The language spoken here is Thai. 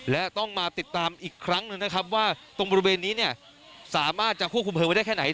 และต้องมาติดตามอีกครั้งหนึ่งนะครับว่าตรงบริเวณนี้เนี่ยสามารถจะควบคุมเลิงไว้ได้แค่ไหน